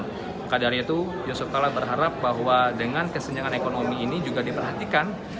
maka dari itu yusuf kalla berharap bahwa dengan kesenjangan ekonomi ini juga diperhatikan